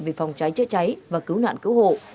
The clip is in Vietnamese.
về phòng cháy chữa cháy và cứu nạn cứu hộ